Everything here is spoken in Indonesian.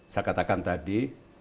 saya katakan tadi